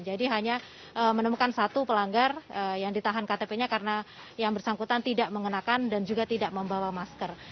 jadi hanya menemukan satu pelanggar yang ditahan ktp nya karena yang bersangkutan tidak mengenakan dan juga tidak membawa masker